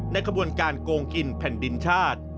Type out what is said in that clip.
ขบวนการโกงกินแผ่นดินชาติ